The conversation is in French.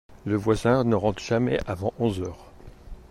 Le voisin ne rentre jamais avant onze heures.